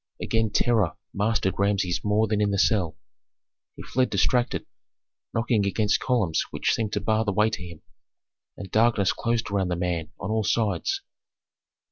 Again terror mastered Rameses more than in the cell. He fled distracted, knocking against columns which seemed to bar the way to him, and darkness closed around the man on all sides.